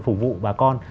phục vụ bà con